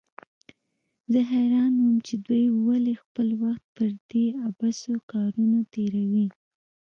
زه حيران وم چې دوى ولې خپل وخت پر دې عبثو کارونو تېروي.